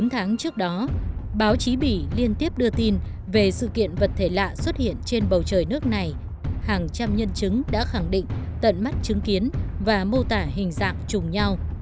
hàng trăm nhân chứng đã khẳng định tận mắt chứng kiến và mô tả hình dạng chung nhau